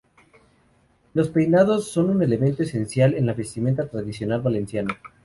Los peinados son un elemento esencial en la vestimenta tradicional valenciana.